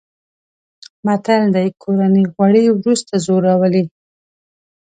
متل دی: کورني غوړي ورسته زور راولي.